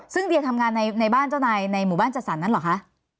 ซึ่งเดียทำงานในบ้านเจ้านายในหมู่บ้านจัดสรรนั้นเหรอคะ